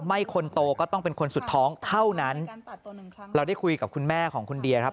คนโตก็ต้องเป็นคนสุดท้องเท่านั้นเราได้คุยกับคุณแม่ของคุณเดียครับ